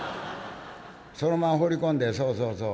「そのまま放り込んでそうそうそう。